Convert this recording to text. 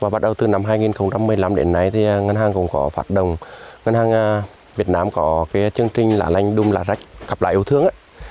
bắt đầu từ năm hai nghìn một mươi năm đến nay ngân hàng việt nam có chương trình lá lanh đung lá rách cặp lại yêu thương